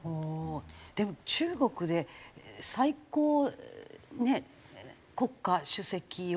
でも中国で最高ねえ国家主席を